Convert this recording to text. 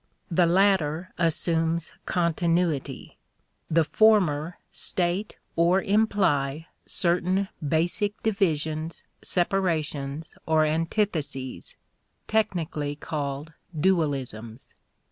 The latter assumes continuity; the former state or imply certain basic divisions, separations, or antitheses, technically called dualisms.